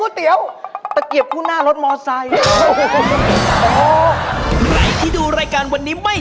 แล้วทำไมไม่จ่ายสดคุกครับละพี่